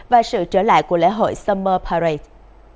và sự trở lại của lễ hội summer parade